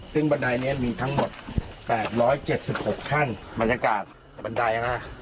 ซึ่งบันไดเนี้ยมีทั้งหมดแปดร้อยเจ็ดสิบหกขั้นบรรยากาศบันไดอะฮะ